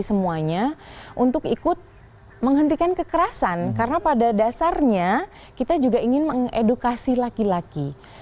semuanya untuk ikut menghentikan kekerasan karena pada dasarnya kita juga ingin mengedukasi laki laki